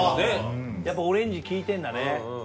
やっぱオレンジ利いてるんだね。